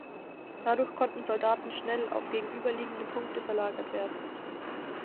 Dadurch konnten Soldaten schnell auf gegenüberliegende Punkte verlagert werden.